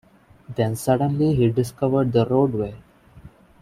Then suddenly he discovered the roadway!